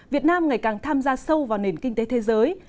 việt nam ngày càng tham gia sâu vào nền kinh tế thế giới